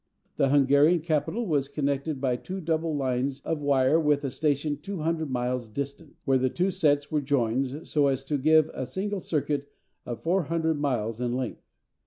The Hungarian capital was connected by two double lines of wire with a station 200 miles distant, where the two sets were joined so as to give a single circuit of 400 miles in length.